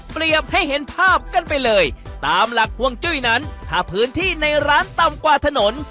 ให้เห็นภาพกันไปเลยตามหลักห่วงจุ้ยนั้นถ้าพื้นที่ในร้านต่ำกว่าถนน